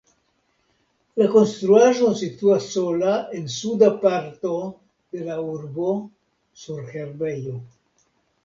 La konstruaĵo situas sola en suda parto de la urbo sur herbejo.